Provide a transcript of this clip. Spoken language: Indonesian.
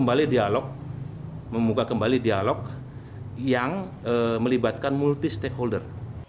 membuka kembali dialog yang melibatkan multi stakeholder